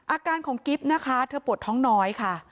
อาการของกิ๊บนะคะเธอปวดท้องน้อยค่ะ